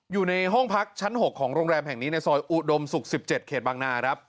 อยู่ในห้องพักชั้น๖ของโรงแรมแห่งนี้ในซอยอุดมศุกร์๑๗เขตบางนาครับ